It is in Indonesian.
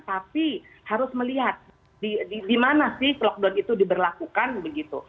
tapi harus melihat di mana sih lockdown itu diberlakukan begitu